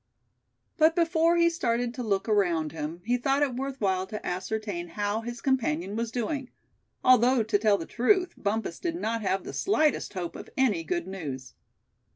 But before he started to look around him, he thought it worth while to ascertain how his companion was doing; although to tell the truth Bumpus did not have the slightest hope of any good news.